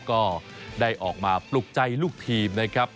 ก็ได้ออกมาปลุกใจลูกทีมนะครับ